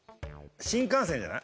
新幹線じゃない？